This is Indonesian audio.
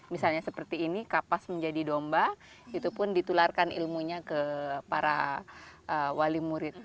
misalnya seperti ini kapas menjadi domba itu pun ditularkan ilmunya ke para wali murid